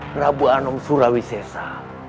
prabu anom suraweseza